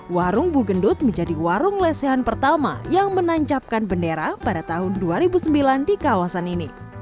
warung bugendut menjadi warung lesehan pertama yang menancapkan bendera pada tahun dua ribu sembilan di kawasan ini